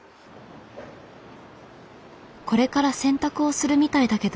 これから洗濯をするみたいだけど。